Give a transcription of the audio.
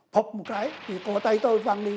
bọc một cái thì cỏ tay tôi văng đi